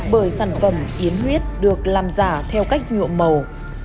bởi sản phẩm yến huyết được làm giả theo cách nhuộm màu